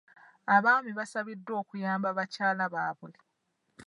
Abaami baasabiddwa okuyamba bakyala baabwe.